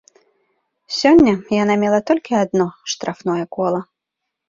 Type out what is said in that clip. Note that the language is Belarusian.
Сёння яна мела толькі адно штрафное кола.